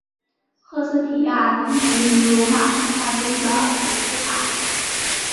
赫斯提亚等同于罗马神话中的维斯塔。